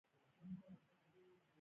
د دې نابرابرۍ لامل ډېر ساده و